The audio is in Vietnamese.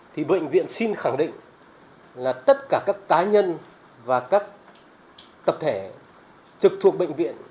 thì bệnh viện xin khẳng định là tất cả các cá nhân và các tập thể trực thuộc bệnh viện